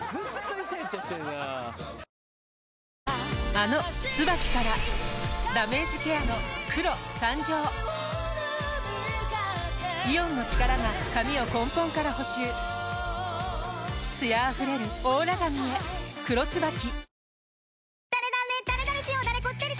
あの「ＴＳＵＢＡＫＩ」からダメージケアの黒誕生イオンの力が髪を根本から補修艶あふれるオーラ髪へ「黒ＴＳＵＢＡＫＩ」